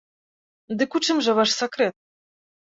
Дык у чым жа ваш сакрэт?